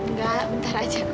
nggak bentar aja kok